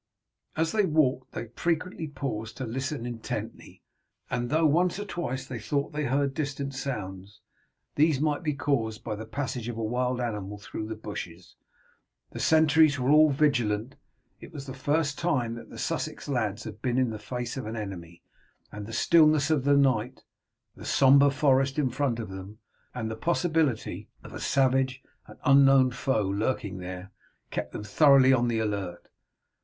As they walked they frequently paused to listen intently, and though once or twice they thought they heard distant sounds, these might be caused by the passage of a wild animal through the bushes. The sentries were all vigilant. It was the first time that the Sussex lads had been in face of an enemy, and the stillness of the night, the sombre forest in front of them, and the possibility of a savage and unknown foe lurking there, kept them thoroughly on the alert.